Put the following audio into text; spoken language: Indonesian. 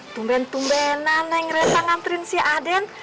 tumben tumbenan nengrepa ngantrin si aden